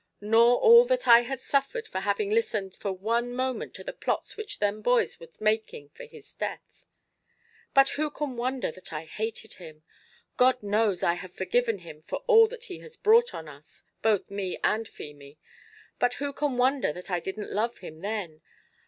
nor all that I had suffered for having listened for one moment to the plots which them boys were making for his death. But who can wonder that I hated him! God knows I have forgiven him for all that he has brought on us both me and Feemy; but who can wonder that I didn't love him then?